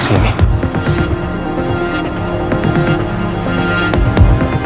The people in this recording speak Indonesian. di sekitar sini